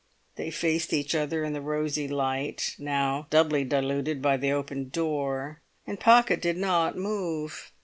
They faced each other in the rosy light, now doubly diluted by the open door, and Pocket did not move.